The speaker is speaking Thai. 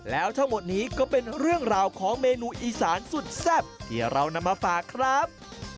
แล้วทั้งหมดนี้ก็เป็นเรื่องราวของเมนูอีสานสุดแซ่บที่เรานำมาฝากครับ